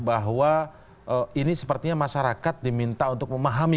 bahwa ini sepertinya masyarakat diminta untuk memahami